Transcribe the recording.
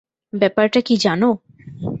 ব্যাপারটা কী জানো?